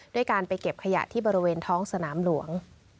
ด้วยการไปเก็บขยะที่บริเวณท้องสนามหลวง